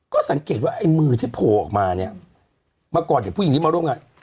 ก็สังเกตว่าไอ้มือที่โผล่ออกมาเนี่ยเมื่อก่อนอย่างผู้หญิงนี้มาร่วมงาน